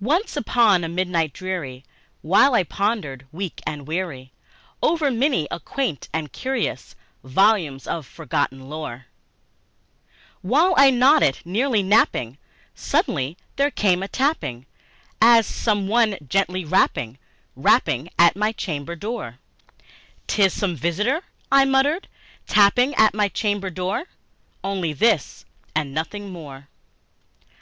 Once upon a midnight dreary, while I pondered, weak and weary, Over many a quaint and curious volume of forgotten lore While I nodded, nearly napping, suddenly there came a tapping, As of some one gently rapping, rapping at my chamber door" 'Tis some visitor," I muttered, "tapping at my chamber door Only this, and nothing more."